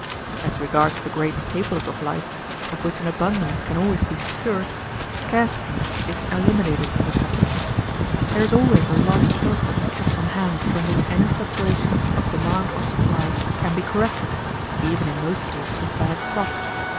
As regards the great staples of life, of which an abundance can always be secured, scarcity is eliminated as a factor. There is always a large surplus kept on hand from which any fluctuations of demand or supply can be corrected, even in most cases of bad crops.